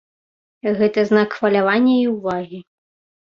Гэта знак хвалявання і ўвагі.